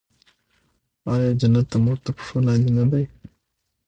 آیا جنت د مور تر پښو لاندې نه دی؟